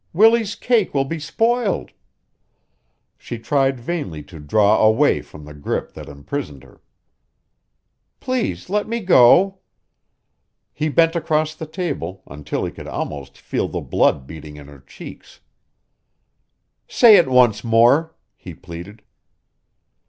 Willie's cake will be spoiled." She tried vainly to draw away from the grip that imprisoned her. "Please let me go." He bent across the table until he could almost feel the blood beating in her cheeks. "Say it once more," he pleaded.